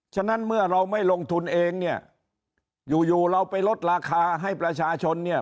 ฉะนั้นเมื่อเราไม่ลงทุนเองเนี่ยอยู่อยู่เราไปลดราคาให้ประชาชนเนี่ย